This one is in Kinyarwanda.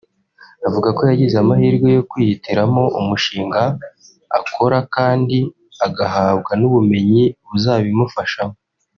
avuga ko yagize amahirwe yo kwihitiramo umushinga akora kandi agahabwa n’ubumenyi buzabimufashamo